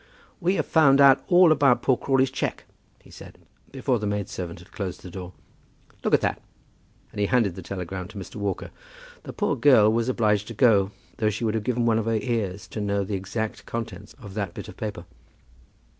"We have found out all about poor Crawley's cheque," he said, before the maid servant had closed the door. "Look at that," and he handed the telegram to Mr. Walker. The poor girl was obliged to go, though she would have given one of her ears to know the exact contents of that bit of paper.